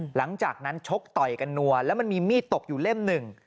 หลังจากนั้นชกต่อยกันนัวแล้วมันมีมีดตกอยู่เล่มหนึ่ง